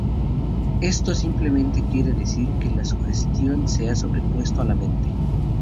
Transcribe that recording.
Esto simplemente quiere decir que la sugestión se ha sobrepuesto a la mente.